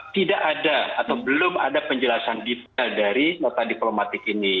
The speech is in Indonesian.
tidak ada atau belum ada penjelasan detail dari nota diplomatik ini